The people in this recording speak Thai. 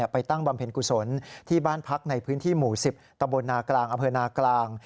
ตั้งบำเพ็ญกุศลที่บ้านพักในพื้นที่หมู่๑๐ตำบลนากลางอำเภอนากลาง